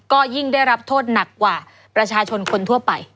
ก็ยิ่งได้รับโทษหนักกว่าประชาชนคนทั่วไป